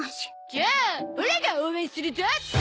じゃあオラが応援するゾ！